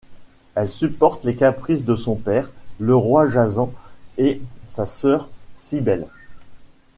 Elle supporte les caprices de son père, le roi Jasant et sa sœur Cybelle.